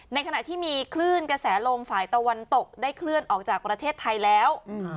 ในขณะที่มีคลื่นกระแสลมฝ่ายตะวันตกได้เคลื่อนออกจากประเทศไทยแล้ว